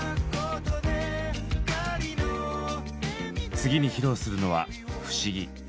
次に披露するのは「不思議」。